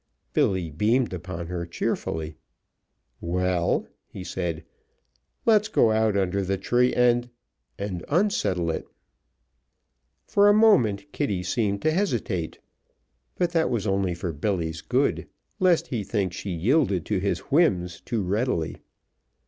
Billy beamed upon her cheerfully. "Well," he said, "let's go out under the tree and and unsettle it." For a moment Kitty seemed to hesitate, but that was only for Billy's good, lest he think she yielded to his whims too readily.